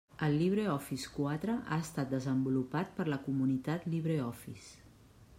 El LibreOffice quatre ha estat desenvolupat per la comunitat LibreOffice.